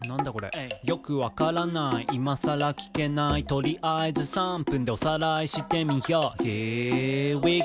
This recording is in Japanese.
「よく分からない今さら聞けない」「とりあえず３分でおさらいしてみよう」